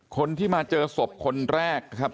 คนที่มาเจอศพคนแรก